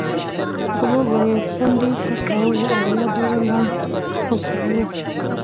غلو به یې څنډې ته کاوه او یا به یې لم غوڅاوه.